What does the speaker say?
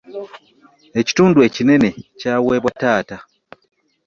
Ekitundu ekinene kyaweebwa taata.